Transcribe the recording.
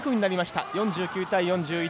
４９対４１